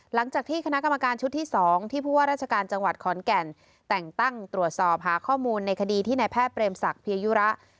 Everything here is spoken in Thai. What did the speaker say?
หลังจากที่คณะกรรมการชุดที่๒ที่ผู้ว่าราชการจังหวัดขอนแก่นแต่งตั้งตรวจสอบหาข้อมูลในคดีที่นายแพทย์เปรมศักดิยยุระ